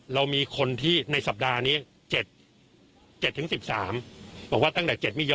เรามีคนที่ในสัปดาห์นี้เจ็ดเจ็ดถึงสิบสามบอกว่าตั้งแต่เจ็ดมิยอ